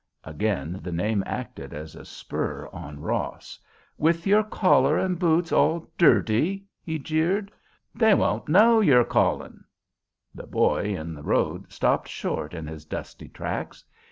Again the name acted as a spur on Ross. "With your collar and boots all dirty?" he jeered. "They won't know you're callin'." The boy in the road stopped short in his dusty tracks.